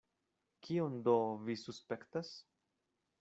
Kion do vi suspektas?